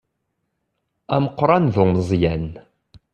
Ameqqan d umeẓẓyan.